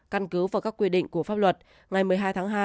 căn cứ vào các quy định của pháp luật ngày một mươi hai tháng hai